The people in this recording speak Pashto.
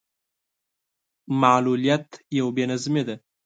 معلوليت يو بې نظمي ده.